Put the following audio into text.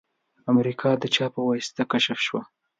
امریکا د چا په واسطه کشف شوه؟